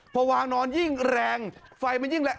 พอวางนอนยิ่งแรงไฟมันยิ่งแรง